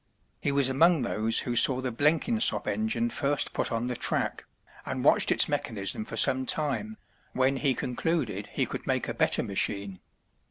He was among those who saw the Blenkinsop engine first put on the track, and watched its mechanism for some time, when he concluded he could make a better machine.